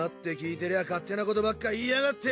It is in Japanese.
てりゃ勝手なことばっか言いやがって！